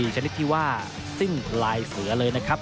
ชนิดที่ว่าซิ่งลายเสือเลยนะครับ